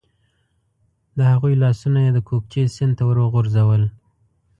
د هغوی لاسونه یې د کوکچې سیند ته ور وغورځول.